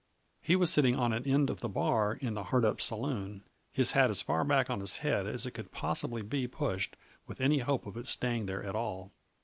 He was sitting on an end of the bar in the Hardtip Saloon, his hat as far back on his head as it could possibly be pushed with any hope of its staying there at all.